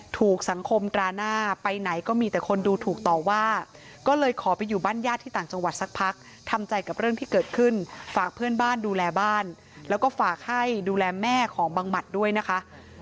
ถูกสังคมตราหน้าไปไหนก็มีแต่คนดูถูกต่อว่าก็เลยขอไปอยู่บ้านญาติที่ต่างจังหวัดสักพักทำใจกับเรื่องที่เกิดขึ้นฝากเพื่อนบ้านดูแลบ้านแล้วก็ฝากให้ดูแลแม่ของบังหมัดด้วยนะคะ